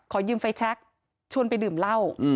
ขอยืมไฟแชคชวนไปดื่มเหล้า